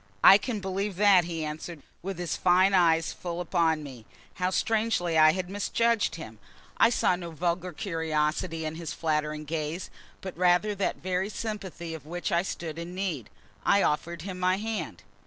"I can believe that," he answered, with his fine eyes full upon me. How strangely I had misjudged him! I saw no vulgar curiosity in his flattering gaze, but rather that very sympathy of which I stood in need. I offered him my hand.